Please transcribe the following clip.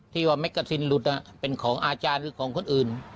ที่ว่าแกซินหลุดเป็นของอาจารย์หรือของคนอื่น